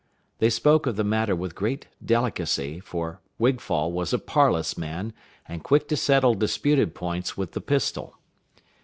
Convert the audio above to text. They spoke of the matter with great delicacy, for Wigfall was a parlous man, and quick to settle disputed points with the pistol.